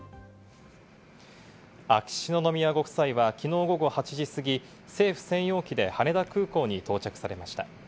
秋篠宮ご夫妻は昨日午後８時すぎ、政府専用機で羽田空港に到着されました。